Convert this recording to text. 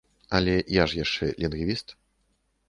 Але я ж яшчэ лінгвіст.